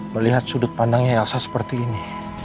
melihat sudut pandangnya elsa seperti ini